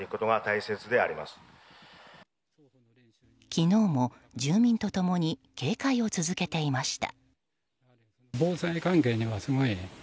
昨日も住民と共に警戒を続けていました。